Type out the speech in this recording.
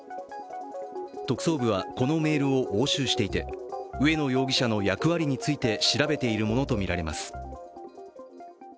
特捜部はこのメールを押収していて植野容疑者の役割について調べているものとみられます。